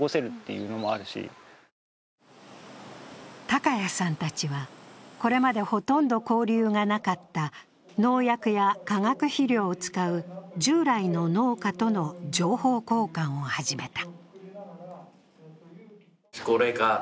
高谷さんたちは、これまでほとんど交流がなかった農薬や化学肥料を使う従来の農家との情報交換を始めた。